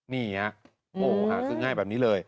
นี่น่ะคือง่ายแบบนี้เลย